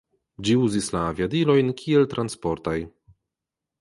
Ĝi uzis la aviadilojn kiel transportaj.